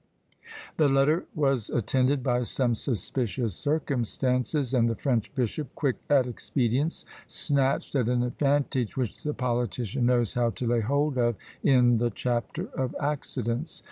The letter was attended by some suspicious circumstances; and the French bishop, quick at expedients, snatched at an advantage which the politician knows how to lay hold of in the chapter of accidents.